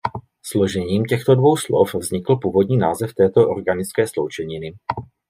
Složením těchto dvou slov vznikl původní název této organické sloučeniny.